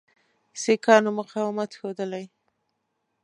سیکهانو مقاومت ښودلی.